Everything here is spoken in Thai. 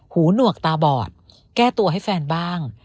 หนวกตาบอดแก้ตัวให้แฟนบ้าง